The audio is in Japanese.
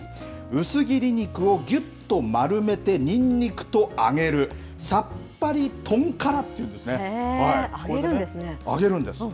薄切り肉をぎゅっと丸めてにんにくと揚げるさっぱり豚からってい揚げるんですね。